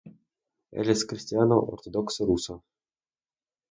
Él es cristiano ortodoxo ruso.